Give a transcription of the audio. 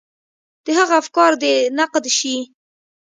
د هغه افکار دې نقد شي.